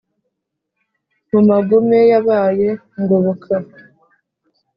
Mu magume yabaye Ngoboka,